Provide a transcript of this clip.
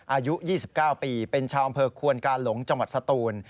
อายุ๒๙ปีเป็นชาวอำเภอควนกาหลงจังหวัดสตูน